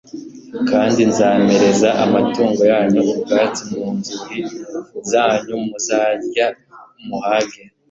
Kandi nzamereza amatungo yanyu ubwatsi mu nzuri zanyu muzarya muhage